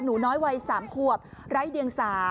หนูน้อยวัย๓ขวบไร้เดียง๓